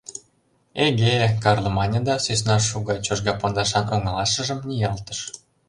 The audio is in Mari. — Эге, — Карло мане да сӧсна шу гай чожга пондашан оҥылашыжым ниялтыш.